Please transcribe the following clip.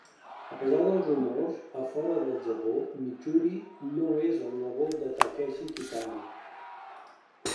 A pesar dels rumors a fora del Japó, Michiru no és el nebot de Takeshi Kitano.